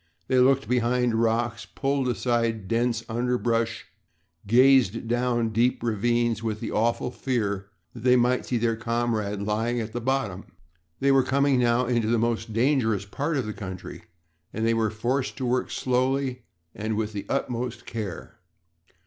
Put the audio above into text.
They looked behind rocks, pulled aside dense underbrush, gazed down deep ravines with the awful fear that they might see their comrade lying at the bottom. They were coming now into the most dangerous part of the country and they were forced to work slowly and with the utmost care.